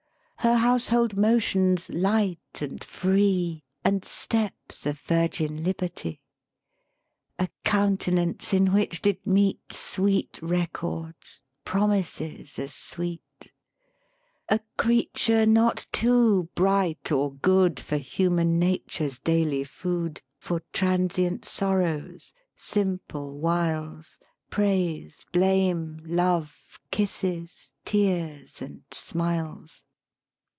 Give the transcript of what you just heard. Her household motions light and free, And steps of virgin liberty; A countenance in which did meet Sweet records, promises as sweet; A creature not too bright or good For human nature's daily food, For transient sorrows, simple wiles, Praise, blame, love, kisses, tears, and smiles.